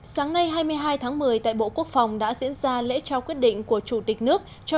sáng nay hai mươi hai tháng một mươi tại bộ quốc phòng đã diễn ra lễ trao quyết định của chủ tịch nước cho